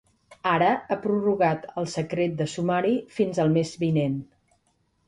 Ara ha prorrogat el secret de sumari fins el mes vinent.